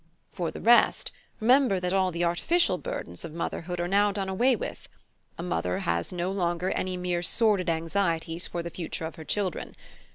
For the rest, remember that all the artificial burdens of motherhood are now done away with. A mother has no longer any mere sordid anxieties for the future of her children.